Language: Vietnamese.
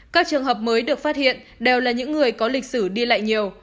các trường hợp mới được phát hiện đều là những người có lịch sử đi lại nhiều